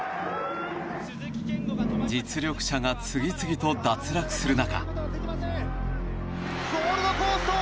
実力者が次々と脱落する中。